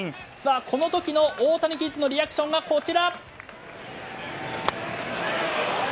この時のオオタニキッズのリアクションがこちら。